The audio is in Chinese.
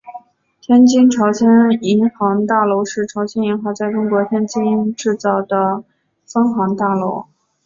天津朝鲜银行大楼是朝鲜银行在中国天津建造的分行大楼。